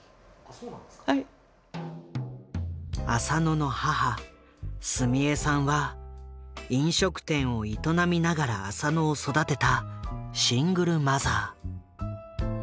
浅野の母住枝さんは飲食店を営みながら浅野を育てたシングルマザー。